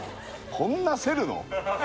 こんな競るの！？